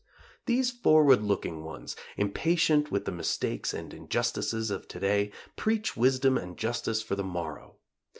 These forward looking ones, impatient with the mistakes and injustices of to day, preach wisdom and justice for the morrow.